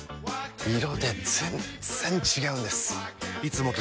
色で全然違うんです！